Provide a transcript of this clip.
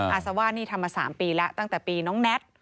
อาซาว่านี่ทำมา๓ปีแล้วตั้งแต่ปีน้องแน็ต